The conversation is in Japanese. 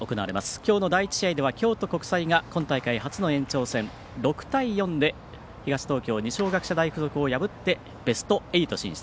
きょうの第１試合では京都国際が今大会初の延長戦６対４で東東京・二松学舎大付属を破ってベスト８進出。